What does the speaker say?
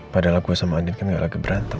padahal gue sama andien kan tidak lagi berantem